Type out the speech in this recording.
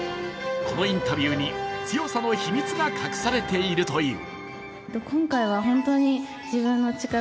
このインタビューに強さの秘密が隠されているという。